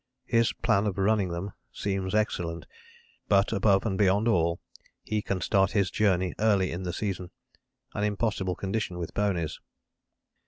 His plan of running them seems excellent. But, above and beyond all, he can start his journey early in the season an impossible condition with ponies."